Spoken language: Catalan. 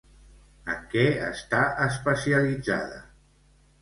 En què està especialitzada?